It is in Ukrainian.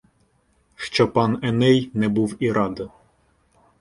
Що пан Еней не був і рад.